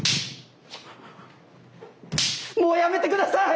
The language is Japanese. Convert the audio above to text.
もうやめて下さい！